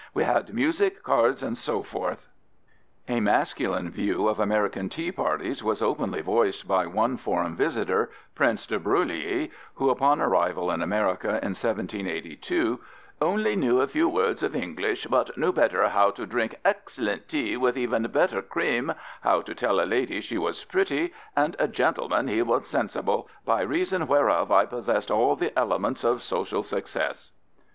We had music, Cards, &c &c." A masculine view of American tea parties was openly voiced by one foreign visitor, Prince de Broglie, who, upon arrival in America in 1782, "only knew a few words of English, but knew better how to drink excellent tea with even better cream, how to tell a lady she was pretty, and a gentleman he was sensible, by reason whereof I possessed all the elements of social success."